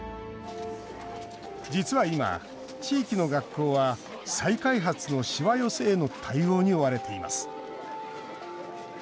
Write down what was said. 実は今、地域の学校は再開発の、しわ寄せへの対応に追われています。